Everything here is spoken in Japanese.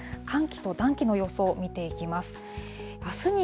寒気と暖気の予想を見ていきます。